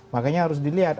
makanya harus dilihat